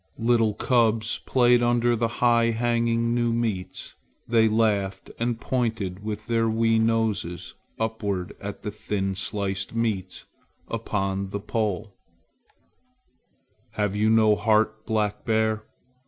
Little cubs played under the high hanging new meats. They laughed and pointed with their wee noses upward at the thin sliced meats upon the poles. "Have you no heart, Black Bear?